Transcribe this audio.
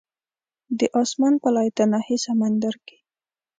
د اسمان په لایتناهي سمندر کې